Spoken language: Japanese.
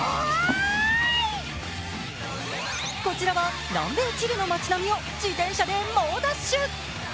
こちらは南米チリの町並みを自転車で猛ダッシュ。